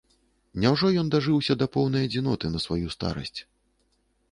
Няўжо ён дажыўся да поўнай адзіноты на сваю старасць?